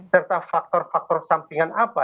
serta faktor faktor sampingan apa